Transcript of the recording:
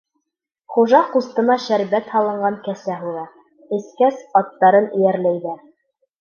Хужа ҡустыма шәрбәт һалынған кәсә һуҙа; эскәс, аттарын эйәрләйҙәр.